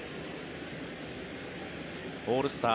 オールスター